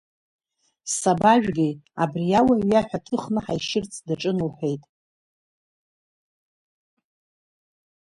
Сабажәгеи, абри ауаҩ иаҳәа ҭыхны ҳаишьырц даҿын, — лҳәеит.